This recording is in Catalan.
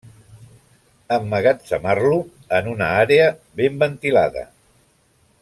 Emmagatzemar-lo en una àrea ben ventilada.